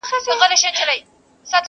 هغه ځان ته نوی ژوند لټوي.